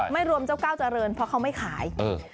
ไม่รวมเจ้าก้าวเจริญเพราะเขาไม่ขาย